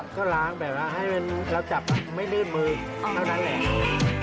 ก็ล้างแบบว่าให้เราจับไม่ลื่นมือเท่านั้นแหละ